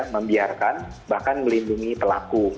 membiarkan bahkan melindungi pelaku